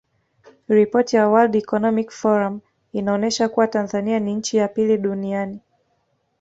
Ripoti ya Word Economic Forum inaonesha kuwa Tanzania ni nchi ya pili duniani